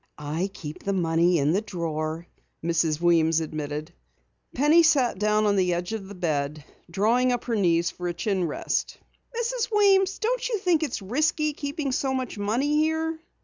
"I keep the money in the drawer," Mrs. Weems admitted. Penny sat down on the edge of the bed, drawing up her knees for a chin rest. "Mrs. Weems, don't you think it's risky keeping so much money here?"